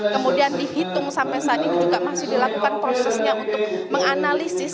kemudian dihitung sampai saat ini juga masih dilakukan prosesnya untuk menganalisis